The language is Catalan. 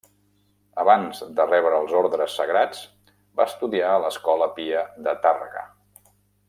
Abans de rebre els ordes sagrats va estudiar a l'Escola Pia de Tàrrega.